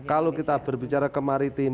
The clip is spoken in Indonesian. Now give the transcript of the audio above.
kalau kita berbicara kemaritim